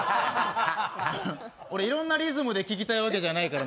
俺、いろんなリズムで聞きたいわけじゃないから。